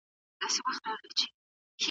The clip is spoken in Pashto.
هغه پرون په پارک کي ورزش وکړ.